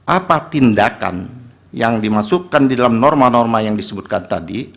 apa tindakan yang dimasukkan di dalam norma norma yang disebutkan tadi